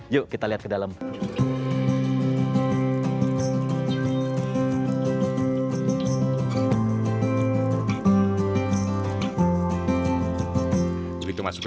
yuk kita lihat ke dalam